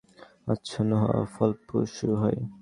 কখনো-কখনো বিজ্ঞানের প্রতি আচ্ছন্ন হওয়া ফলপ্রসূ হয়।